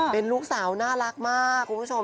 เป็นลูกสาวน่ารักมากคุณผู้ชม